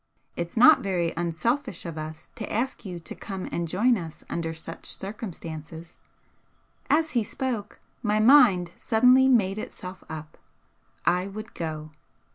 It's not very unselfish of us to ask you to come and join us under such circumstances " As he spoke my mind suddenly made itself up. I would go.